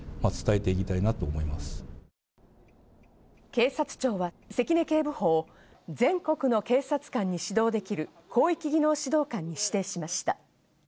警察庁は関根警部補を全国の警察官に指導できる広域技能指導官に指定しました。